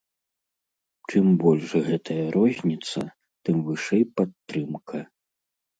Чым больш гэтая розніца, тым вышэй падтрымка.